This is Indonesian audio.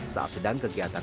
saat sedang kegiatan